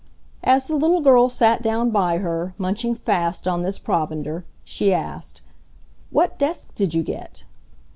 As the little girl sat down by her, munching fast on this provender, she asked: "What desk did you get?"